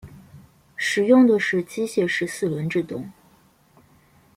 使用的是机械式四轮制动。